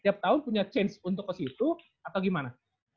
tiap tahun punya chance untuk ke situ atau gimana